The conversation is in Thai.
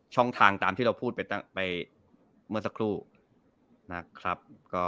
ช่องทางตามที่เราพูดไปเมื่อสักครู่นะครับ